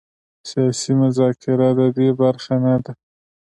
سیاسي مذاکره د دې برخه نه ده.